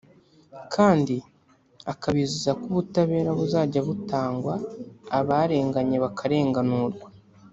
kandi akabizeza ko ubutabera buzajya butangwa abarenganye bakarenganurwa